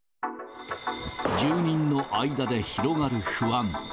住人の間で広がる不安。